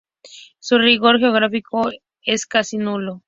Su rigor geográfico es casi nulo.